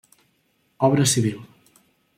Obra civil.